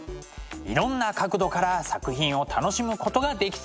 いろんな角度から作品を楽しむことができそうです。